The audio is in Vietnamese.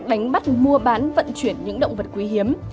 đánh bắt mua bán vận chuyển những động vật quý hiếm